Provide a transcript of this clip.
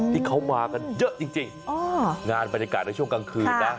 ที่เขามากันเยอะจริงงานบรรยากาศในช่วงกลางคืนนะ